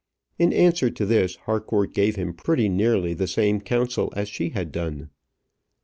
In answer to this, Harcourt gave him pretty nearly the same counsel as she had done.